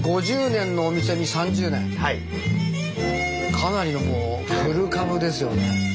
かなりのもう古株ですよね。